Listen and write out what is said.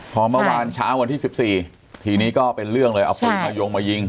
พอเมื่อวานเช้าวันที่๑๔ทีนี้ก็เป็นเรื่องเลยเอาปืนมายงมายิง